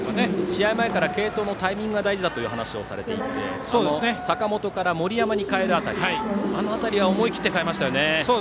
試合前から継投のタイミングが大事という話をされていて坂本から森山に代えたあの辺りは思い切って代えましたよね。